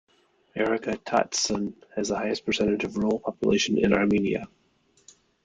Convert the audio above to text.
Aragatsotn has the highest percentage of rural population in Armenia.